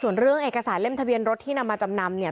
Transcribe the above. ส่วนเรื่องเอกสารเล่มทะเบียนรถที่นำมาจำนำเนี่ย